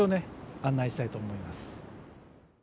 案内したいと思います。